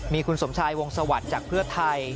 มีคุณสมชายวงสวัสดิ์จากเพื่อไทย